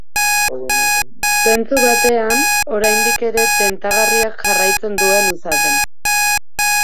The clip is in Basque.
Zentzu batean, oraindik ere tentagarriak jarraitzen duen izaten.